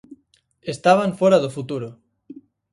Estaban fóra do futuro.